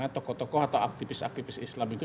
tokoh tokoh atau aktivis aktivis islam itu